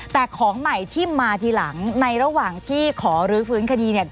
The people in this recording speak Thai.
แต่ของใหม่ที่มาทีหลังในระหว่างที่ขอรื้อฟื้นคดีเนี่ย